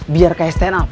biar kaya stand up